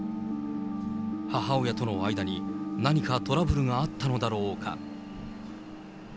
母親との間に何かトラブルがあったのだろうか。